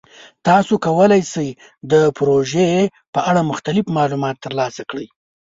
تاسو کولی شئ د پروژې په اړه مختلف معلومات ترلاسه کړئ.